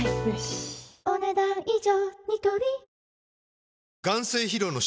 お、ねだん以上。